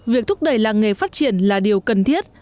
việc thúc đẩy làng nghề phát triển là điều cần thiết